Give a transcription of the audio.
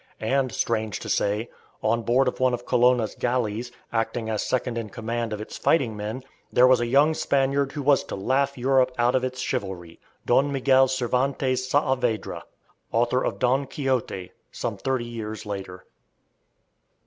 And, strange to say, on board of one of Colonna's galleys, acting as second in command of its fighting men, there was a young Spaniard who was to "laugh Europe out of its chivalry" Don Miguel Cervantes de Saavedra, author of "Don Quixote" some thirty years later.